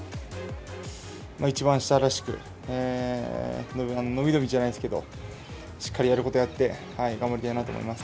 一番下らしく、伸び伸びじゃないですけど、しっかりやることやって、頑張りたいなと思います。